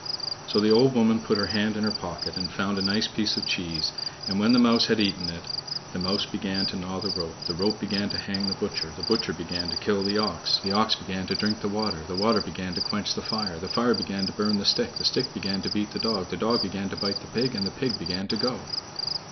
So the old woman put her hand in her pocket and found a nice piece of cheese; and when the mouse had eaten it: The mouse began to gnaw the rope, The rope began to hang the butcher, The butcher began to kill the ox, The ox began to drink the water, The water began to quench the fire, The fire began to burn the stick, The stick began to beat the dog, The dog began to bite the pig, And the pig began to go.